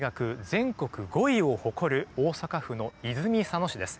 全国５位を誇る大阪府の泉佐野市です。